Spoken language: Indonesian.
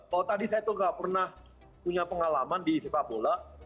kalau tadi saya tuh gak pernah punya pengalaman di sepak bola